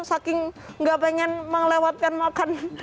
saking gak pengen melewatkan makan